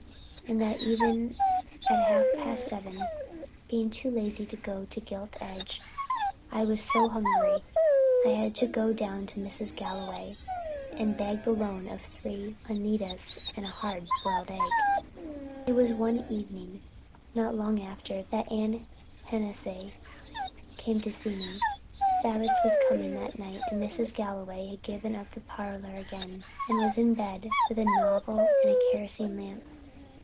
And that evening at half past seven, being too lazy to go to the Gilt Edge, I was so hungry I had to go down to Mrs. Galway and beg the loan of three Uneedas and a hard boiled egg. It was one evening, not long after, that Anne Hennessey came in to see me. Babbitts was coming that night and Mrs. Galway had given up the parlor again and was in bed with a novel and a kerosene lamp.